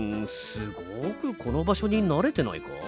すごくこのばしょになれてないか？